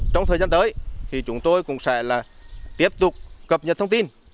trong thời gian tới thì chúng tôi cũng sẽ là tiếp tục cập nhật thông tin